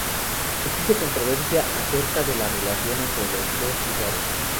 Existe controversia acerca de la relación entre estos dos lugares.